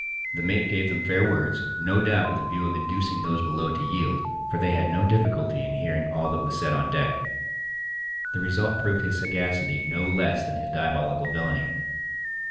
The mate gave them fair words—no doubt with a view of inducing those below to yield, for they had no difficulty in hearing all that was said on deck. The result proved his sagacity, no less than his diabolical villainy.